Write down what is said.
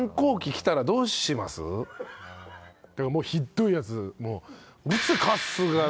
もうひっどいやつ。